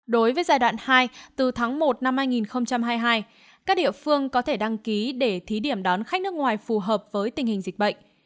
đối với giai đoạn hai từ tháng một năm hai nghìn hai mươi hai các địa phương có thể đăng ký để thí điểm đón khách nước ngoài phù hợp với tình hình dịch bệnh